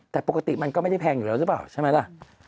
แต่ปกติมันก็ไม่ได้แพงอยู่แล้วใช่ไหมล่ะ